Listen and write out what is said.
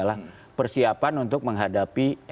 saya kira memang kurang cepat dan mungkin juga ada masalah gini ya